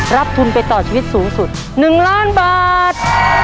รับทุนไปต่อชีวิตสูงสุด๑ล้านบาท